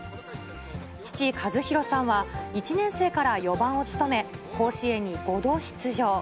父、和博さんは、１年生から４番を務め、甲子園に５度出場。